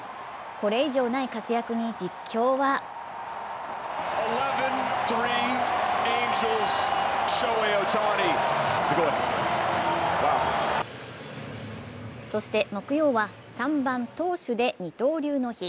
これ以上ない活躍に実況はそして、木曜は３番・投手で二刀流の日。